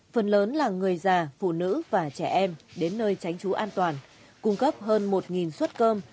phần lớn là người già phụ nữ và trẻ em đến nơi tránh trú an toàn cung cấp hơn một suất cơm